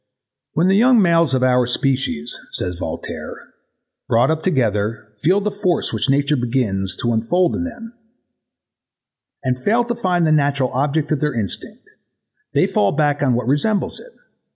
"When the young males of our species," says Voltaire, "brought up together, feel the force which nature begins to. unfold in them, and fail to find the natural object of their instinct, they fall back on what resembles it.